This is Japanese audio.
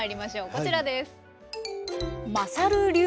こちらです。